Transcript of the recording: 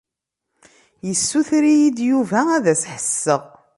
Yessuter-iyi-d Yuba ad as-ḥesseɣ.